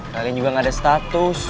kalian juga gak ada status